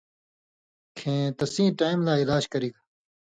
کِھیں تَسیں ٹائم لا علاج کرِگ۔